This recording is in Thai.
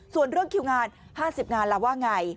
ส่วนเรื่องคิวงาน๕๐งานแล้วว่าอย่างไร